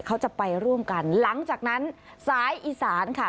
เขาจะไปร่วมกันหลังจากนั้นสายอีสานค่ะ